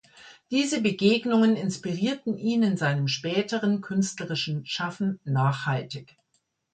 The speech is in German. Diese Begegnungen inspirierten ihn in seinem späteren künstlerischen Schaffen nachhaltig.